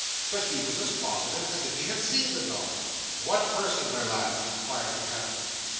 But he was as positive as if he had seen the dog." "What person, my lad?" inquired the Captain.